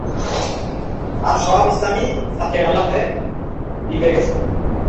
আর সব ইসলামী ছাঁচে ঢালা হয়ে বিগড়ে গেছে।